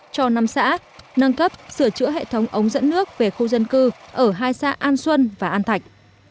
cho năm xã nâng cấp sửa chữa hệ thống ống dẫn nước về khu dân cư ở hai xã an xuân và an thạch